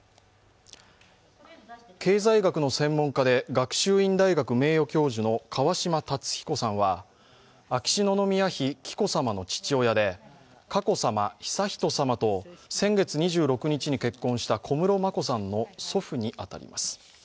経済学の専門家で学習院大学名誉教授の川嶋辰彦さんは秋篠宮妃・紀子さまの父親で佳子さま、悠仁さまと先月２６日に結婚した小室眞子さんの祖父にあたります